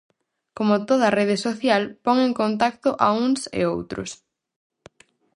Como toda rede social, pon en contacto a uns e outros.